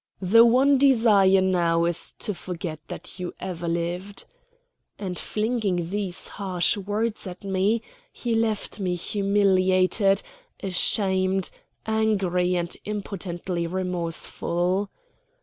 "The one desire now is to forget that you ever lived." And flinging these harsh words at me, he left me humiliated, ashamed, angry, and impotently remorseful.